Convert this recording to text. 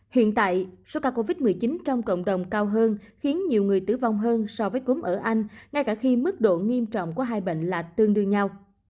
hiện tại số ca covid một mươi chín trong cộng đồng cao hơn khiến nhiều người tử vong hơn so với cúm ở anh ngay cả khi mức độ nghiêm trọng của hai bệnh là tương đương nhau